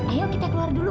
ayo kita keluar dulu